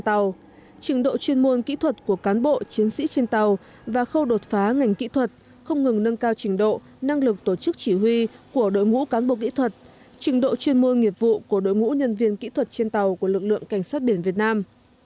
trình độ chuyên môn kỹ thuật của cán bộ chiến sĩ trên tàu và khâu đột phá ngành kỹ thuật không ngừng nâng cao trình độ năng lực tổ chức chỉ huy của đội ngũ cán bộ kỹ thuật trình độ chuyên môn nghiệp vụ của đội ngũ nhân viên kỹ thuật trên tàu của lực lượng cảnh sát biển việt nam